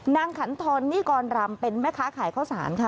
ขันทรนิกรรำเป็นแม่ค้าขายข้าวสารค่ะ